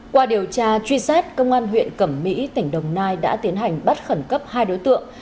qua điều tra truy xét công an huyện cẩm mỹ tỉnh đồng nai đã tiến hành bắt khẩn cấp hai đối tượng